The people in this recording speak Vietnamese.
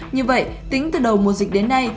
như vậy tính từ đầu mùa dịch đến nay